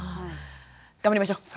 頑張りましょう。